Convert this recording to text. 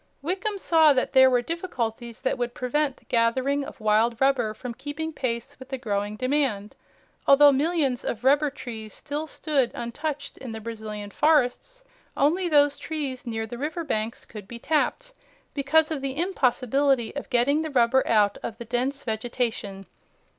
Wickham saw that there were difficulties that would prevent the gathering of wild rubber from keeping pace with the growing demand. Although millions of rubber trees still stood untouched in the Brazilian forests, only those trees near the river banks could be tapped because of the impossibility of getting the rubber out of the dense vegetation.